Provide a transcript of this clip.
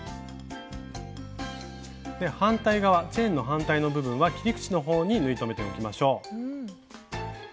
で反対側チェーンの反対の部分は切り口の方に縫い留めておきましょう。